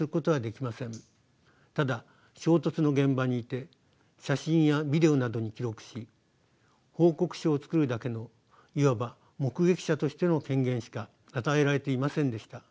ただ衝突の現場にいて写真やビデオなどに記録し報告書を作るだけのいわば目撃者としての権限しか与えられていませんでした。